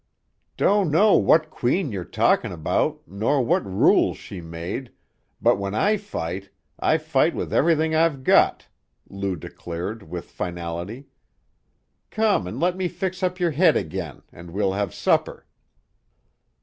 "Don't know what queen you're talkin' about, nor what rules she made, but when I fight, I fight with everything I've got," Lou declared with finality. "Come and let me fix up your head again, an' we'll have supper."